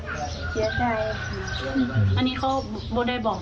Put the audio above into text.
อันนี้เขาได้บอกหรือไม่บอกเลิก